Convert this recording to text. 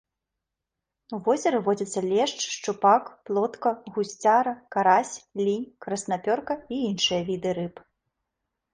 У возеры водзяцца лешч, шчупак, плотка, гусцяра, карась, лінь, краснапёрка і іншыя віды рыб.